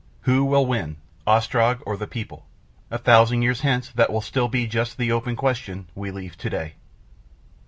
Who will win Ostrog or the People? A thousand years hence that will still be just the open question we leave to day.